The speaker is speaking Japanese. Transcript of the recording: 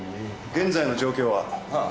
現在の状況は？はあ。